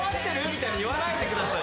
みたいに言わないでください。